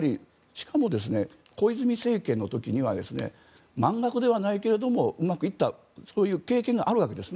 しかも、小泉政権の時には満額ではないけれどもうまくいったそういう経験があるわけです。